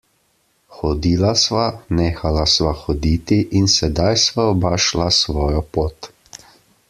Hodila sva, nehala sva hoditi in sedaj sva oba šla svojo pot.